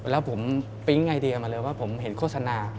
แล้วผมปิ๊งไอเดียมาเลยว่าผมเห็นโฆษณา